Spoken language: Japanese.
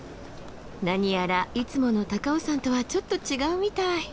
何やらいつもの高尾山とはちょっと違うみたい。